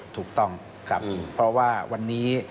ถูกต้องครับเพราะว่าวันนี้